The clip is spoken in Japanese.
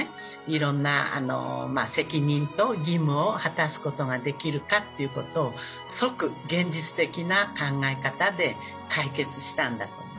いろんな責任と義務を果たすことができるかっていうことを即現実的な考え方で解決したんだと思う。